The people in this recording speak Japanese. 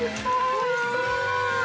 おいしそうだ！